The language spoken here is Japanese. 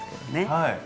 はい。